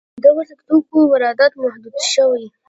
د ورته توکو واردات محدود شوي؟